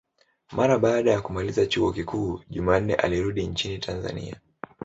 Mara baada ya kumaliza chuo kikuu, Jumanne alirudi nchini Tanzania.